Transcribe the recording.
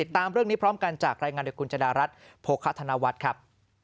ตามเรื่องนี้พร้อมกันจากรายงานโดยคุณจดารัฐโภคธนวัฒน์ครับ